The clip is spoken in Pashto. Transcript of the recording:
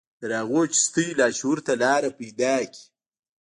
تر هغو چې ستاسې لاشعور ته لاره پيدا کړي.